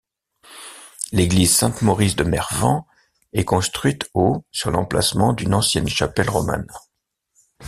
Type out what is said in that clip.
L'église Saint-Maurice de Mervans est construite au sur l’emplacement d’une ancienne chapelle romane.